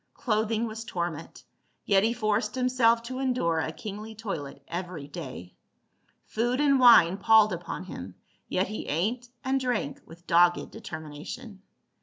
Clothing was torment, yet he forced himself to endure a kingly toilet every day. Food and wine palled upon him, yet he ate and drank with dogged determination.